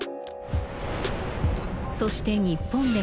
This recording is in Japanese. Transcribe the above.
そして日本でも。